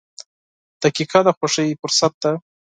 • دقیقه د خوښۍ فرصت ده.